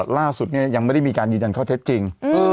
ล่าสุดยังไม่ได้มีการยืนยันข้อเท็จจริง